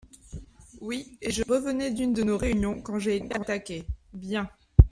Oui, et je revenais d'une de nos réunions, quand j'ai été attaqué … Bien.